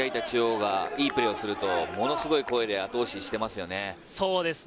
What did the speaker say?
中央がいいプレーをすると、ものすごい声で後押ししてますよね。